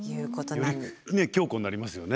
より強固になりますよね。